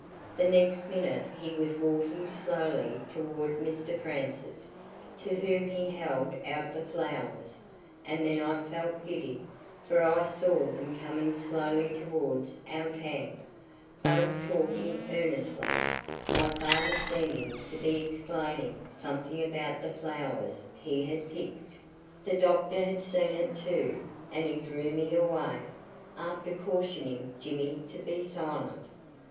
The next minute he was walking slowly towards Mr Francis, to whom he held out the flowers; and then I felt giddy, for I saw them coming slowly towards our camp, both talking earnestly, my father seeming to be explaining something about the flowers he had picked. The doctor had seen it too, and he drew me away, after cautioning Jimmy to be silent.